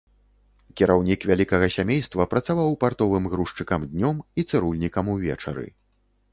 Кіраўнік вялікага сямейства працаваў партовым грузчыкам днём і цырульнікам увечары.